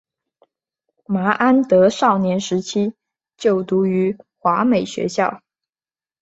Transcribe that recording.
麻安德少年时期就读于华美学校。